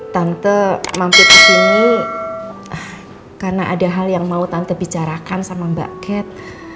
tante mampit ke sini karena ada hal yang mau tante bicarakan sama mbak kat